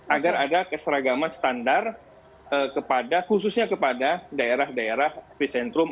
agar ada keseragaman standar khususnya kepada daerah daerah epicentrum